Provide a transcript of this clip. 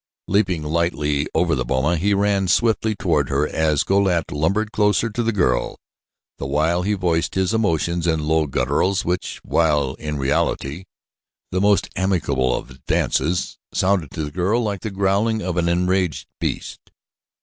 Leaping lightly over the boma, he ran swiftly toward her as Go lat lumbered closer to the girl the while he voiced his emotions in low gutturals which, while in reality the most amicable of advances, sounded to the girl like the growling of an enraged beast.